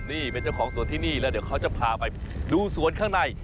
นี่เป็นเจ้าของสวนที่นี่แล้วเดี๋ยวเขาจะพาไปดูสวนข้างใน